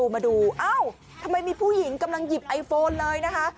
ไม่มีผู้หญิงกำลังหยิบไอโฟนเลยนะคะ